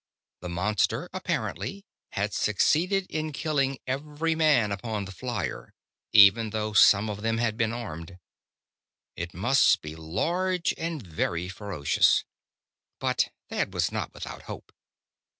The monster, apparently, had succeeded in killing every man upon the flier, even though some of them had been armed. It must be large and very ferocious. But Thad was not without hope.